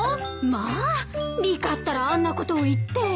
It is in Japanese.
まあリカったらあんなことを言って。